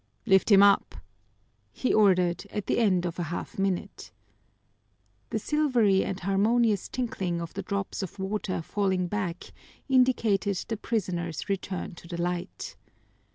"Lift him up!" he ordered, at the end of a half minute. The silvery and harmonious tinkling of the drops of water falling back indicated the prisoner's return to the light.